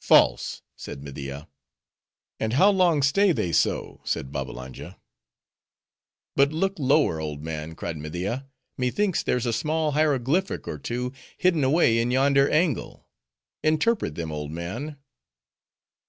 "False!" said Media. "And how long stay they so?" said Babbalanja. "But look lower, old man," cried Media, "methinks there's a small hieroglyphic or two hidden away in yonder angle.—Interpret them, old man."